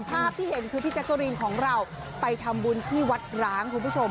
ภาพที่เห็นคือพี่แจ๊กกะรีนของเราไปทำบุญที่วัดร้างคุณผู้ชม